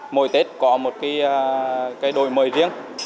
mỗi tết có một cái đổi mới riêng